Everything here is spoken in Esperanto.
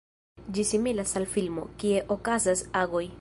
Ĝi similas al filmo, kie okazas agoj.